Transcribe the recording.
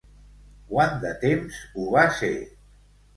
Quant de temps ho va ser?